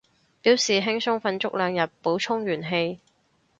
表示輕鬆瞓足兩日，補充元氣